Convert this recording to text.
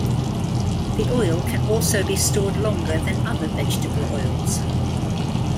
The oil can also be stored longer than other vegetable oils.